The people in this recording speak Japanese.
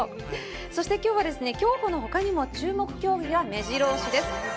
そして、今日は競歩のほかにも注目競技が目白押しです。